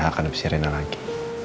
saya akan hadap si rena lagi